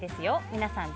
皆さん